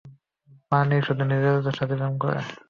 বানি শুধু নিজের সাথে প্রেম করে।